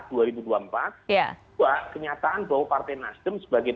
dua kenyataan bahwa partai nasdem sebagai